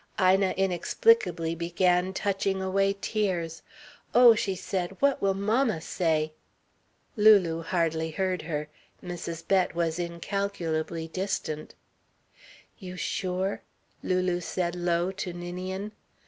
Ina inexplicably began touching away tears. "Oh," she said, "what will mamma say?" Lulu hardly heard her. Mrs. Bett was incalculably distant. "You sure?" Lulu said low to Ninian.